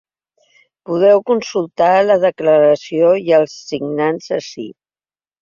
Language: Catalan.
Podeu consultar la declaració i els signants ací.